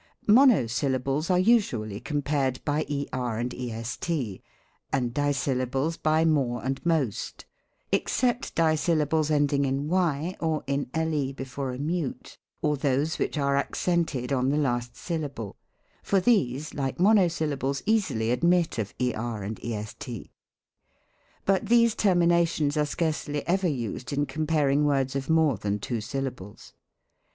Monosyllables are usually compared by er and est, and dissyllables hj more and most; except dissyllables ending in y or in le before a mute, or those which are accented on the last syllable ; for these, like monosyl lables, easily admit of er and est. But these termina tions are scarcely ever used in comparing words of more than two syllables.